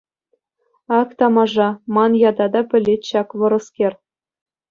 Ак тамаша, ман ята та пӗлет ҫак вӑрӑскер.